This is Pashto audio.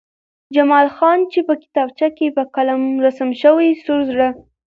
جمال خان چې په کتابچه کې په قلم رسم شوی سور زړه